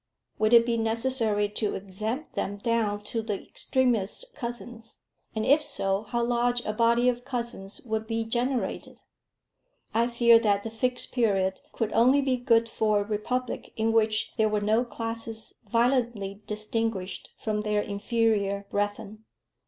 Would it be necessary to exempt them down to the extremest cousins; and if so, how large a body of cousins would be generated! I feared that the Fixed Period could only be good for a republic in which there were no classes violently distinguished from their inferior brethren.